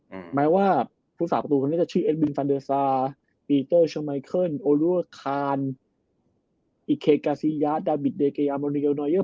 อืมแม้ว่าผู้สาวประตูคนนี้จะชื่อเอ็ดบินฟันเดอร์ซาร์ปีเตอร์ชังไมเคิลโอรูลคานอิเคกาซียาดามิดเดเกย์อมรุนเกลนอย่างเยอะ